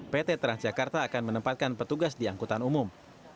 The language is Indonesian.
pt transjakarta akan menempatkan petugas di angkutan umum